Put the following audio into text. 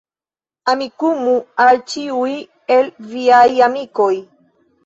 Amikumu al ĉiuj el viaj amikoj